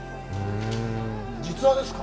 実話ですか？